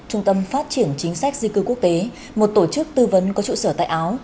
trung tâm phát triển chính sách di cư quốc tế một tổ chức tư vấn có trụ sở tại áo